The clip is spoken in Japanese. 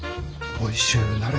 おいしゅうなれ。